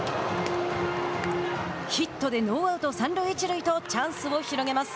ヒットでノーアウト、三塁一塁とチャンスを広げます。